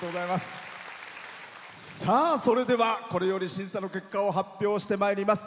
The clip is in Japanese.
それでは、これより審査の結果を発表してまいります。